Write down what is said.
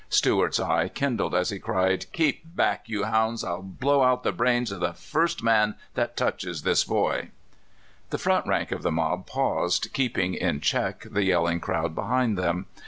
Stuart's eye kindled as he cried: "Keep back, you hounds! I'll blow out the brains of the first man that touches this boy! " The front rank of the mob paused, keeping in check the yelling crowd behind them.